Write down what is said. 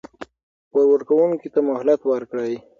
پور ورکوونکي ته مهلت ورکړئ.